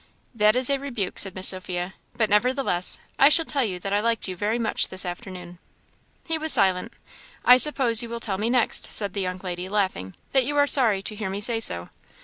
"That is a rebuke," said Miss Sophia; "but nevertheless, I shall tell you that I liked you very much this afternoon." He was silent. "I suppose you will tell me next," said the young lady, laughing, "that you are sorry to hear me say so."